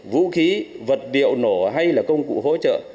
vũ khí vật liệu nổ hay là công cụ hỗ trợ